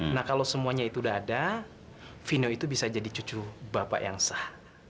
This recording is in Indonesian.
nah kalau semuanya itu udah ada vino itu bisa jadi cucu bapak yang sah